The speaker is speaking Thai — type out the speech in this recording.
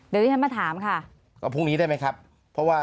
เดี๋ยวที่ฉันมาถามค่ะก็พรุ่งนี้ได้ไหมครับเพราะว่า